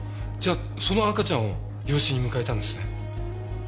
じゃあその赤ちゃんを養子に迎えたんですね。